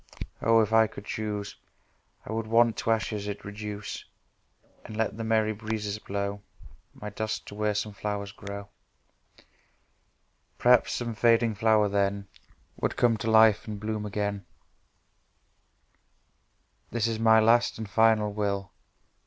—Oh!—If I could choose I would want to ashes it reduce, And let The merry breezes blow My dust to where some flowers grow Perhaps some fading flower then Would come to life and bloom again This is my Last and Final Will.